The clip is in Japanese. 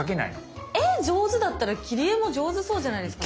絵上手だったら切り絵も上手そうじゃないですか？